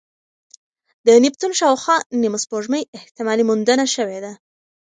د نیپتون شاوخوا نیمه سپوږمۍ احتمالي موندنه شوې ده.